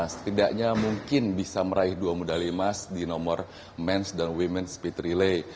setidaknya mungkin bisa meraih dua medali emas di nomor men's dan women's speed relay